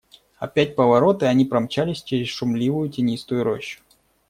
Опять поворот, и они промчались через шумливую тенистую рощу.